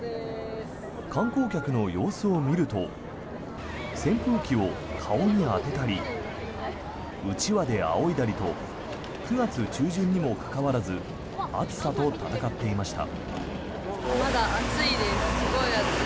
観光客の様子を見ると扇風機を顔に当てたりうちわであおいだりと９月中旬にもかかわらず暑さと闘っていました。